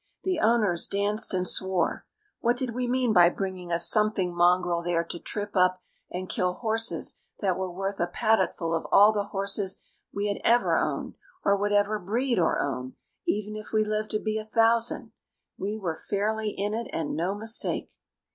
The owners danced and swore. What did we mean by bringing a something mongrel there to trip up and kill horses that were worth a paddockful of all the horses we had ever owned, or would ever breed or own, even if we lived to be a thousand. We were fairly in it and no mistake.